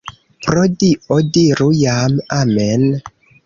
Pro Dio, diru jam amen!